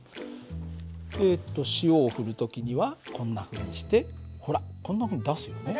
えっと塩を振る時にはこんなふうにしてほらこんなふうに出すよね。